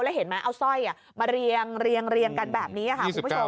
แล้วเห็นไหมเอาสร้อยมาเรียงกันแบบนี้ค่ะ